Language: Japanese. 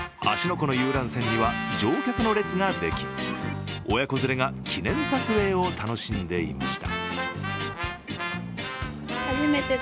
湖の遊覧船には乗客の列ができ親子連れが記念撮影を楽しんでいました。